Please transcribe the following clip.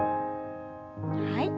はい。